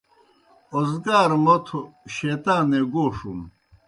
اوزگار موتھوْ شیطانے گوݜُن